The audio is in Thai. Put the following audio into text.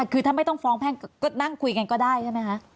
คือถ้าไม่ต้องฟ้องแพ่งก็นั่งคุยกันก็ได้ใช่ไหมคะ